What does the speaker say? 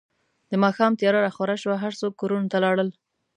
د ماښام تیاره راخوره شوه، هر څوک کورونو ته لاړل.